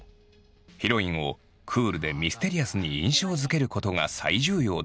ヒロインをクールでミステリアスに印象づけることが最重要だった。